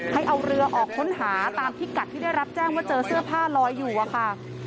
ให้เอาเรือออกค้นหาตามพิกัดที่ได้รับแจ้งว่าเจอเสื้อผ้าลอยอยู่อะค่ะ